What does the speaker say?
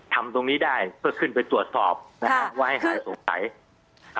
ทำตรงนี้ได้ก็ขึ้นไปตรวจสอบนะครับเพื่อให้ใครสงสัย